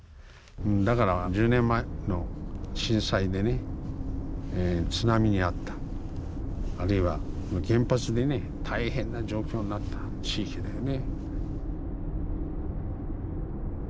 だから１０年前の震災でね津波に遭ったあるいは原発でね大変な状況になった地域だよね。